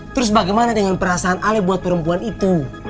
terus bagaimana dengan perasaan ale buat perempuan itu